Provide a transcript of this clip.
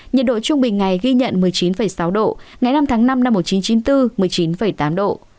nhiệt độ trung bình ngày ghi nhận một mươi chín sáu độ ngày năm tháng năm năm một nghìn chín trăm chín mươi bốn một mươi chín tám độ